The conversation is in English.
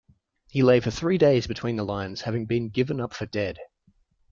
He lay for three days between the lines having been given up for dead.